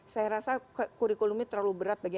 saya rasa kurikulumnya terlalu berat bagi